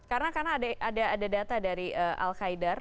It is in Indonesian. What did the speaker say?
karena ada data dari al qaeda